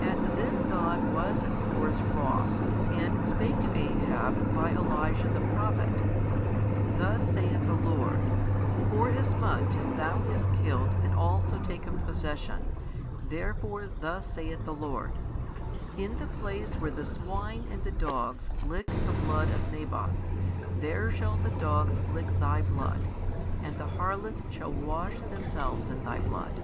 At this God was of course wroth, and spake to Ahab by Elijah the prophet: Thus saith the Lord, Forasmuch as thou hast killed and also taken possession, therefore thus saith the Lord, In the place where the swine and the dogs licked the blood of Naboth, there shall the dogs lick thy blood; and the harlots shall wash themselves in thy blood.